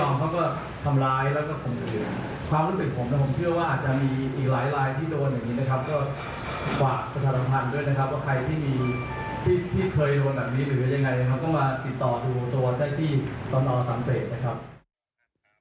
มันก็มาติดต่อดูตัวได้ที่สนสังเศษนะครับ